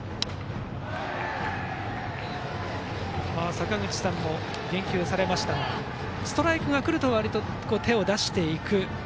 坂口さんも言及されましたがストライクが来るとわりと手を出していく。